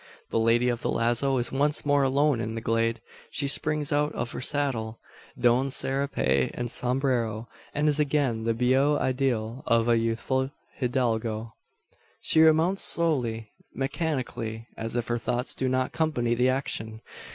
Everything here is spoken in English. The lady of the lazo is once more alone in the glade. She springs out of her saddle; dons serape and sombrero; and is again the beau ideal of a youthful hidalgo. She remounts slowly, mechanically as if her thoughts do not company the action.